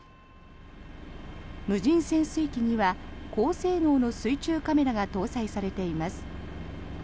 無人潜水機には高性能の水中カメラが搭載されています。